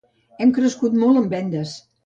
Hem crescut molt en vendes.